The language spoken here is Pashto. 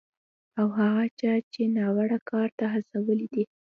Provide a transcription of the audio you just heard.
او هغه چا دې ناوړه کار ته هڅولی دی